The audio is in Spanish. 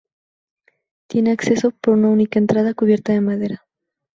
Tiene acceso por una única entrada cubierta de madera.